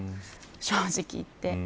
正直言って。